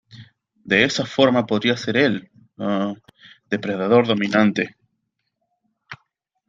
¡ De esa forma podría ser el, uh , depredador dominante!